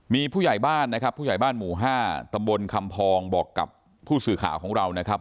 มีผู้ใหญ่บ้านนะครับผู้ใหญ่บ้านหมู่๕ตำบลคำพองบอกกับผู้สื่อข่าวของเรานะครับ